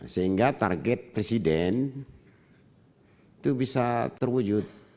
sehingga target presiden itu bisa terwujud